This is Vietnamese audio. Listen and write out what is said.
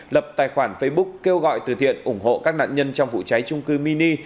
lập tài khoản facebook kêu gọi từ thiện ủng hộ các nạn nhân trong vụ cháy trung cư mini